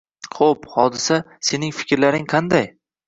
Ho‘p, Hodisa, sening fikrlaring qanday?